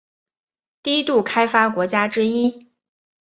低度开发国家之一。